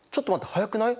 早くない？